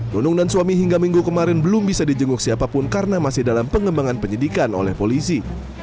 nunung dan suami hingga minggu kemarin belum bisa dijenguk siapapun karena masih dalam pengembangan penyidikan oleh polisi